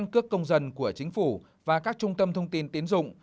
một cước công dân của chính phủ và các trung tâm thông tin tiến dụng